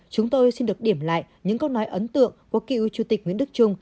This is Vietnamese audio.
chúng tôi xin được điểm lại những câu nói ấn tượng của cựu chủ tịch nguyễn đức trung